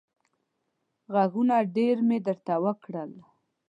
غږونه ډېر مې درته وکړل.